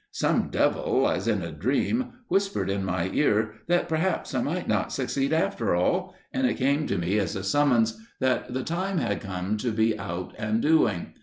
Some devil, as in a dream, whispered in my ear that perhaps I might not succeed after all, and it came to me as a summons that the time had come to be out and doing.